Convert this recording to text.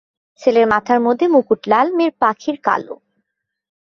ছেলের মাথার মধ্যে মুকুট লাল, মেয়ের পাখির কালো।